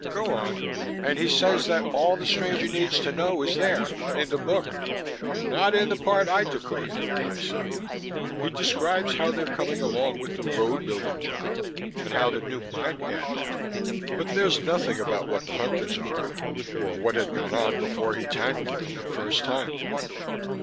"Go on." "And he says that all that the stranger needs to know is there in the book." "Not in the part I decoded," I said. "He describes how they're coming along with the road building job, and how the new mine panned out but there's nothing about what the Hunters are, or what had gone on before he tangled with them the first time."